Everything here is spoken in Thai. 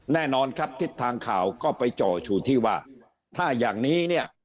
แน่นอนครับทิศทางข่าวก็ไปจ่ออยู่ที่ว่าถ้าอย่างนี้เนี่ย